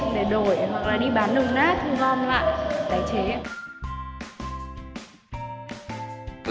các dự kiện để đổi hoặc là đi bán đồng nát thu gom lại tài chế